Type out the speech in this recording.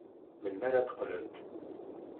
Melmi ara d-qqlent?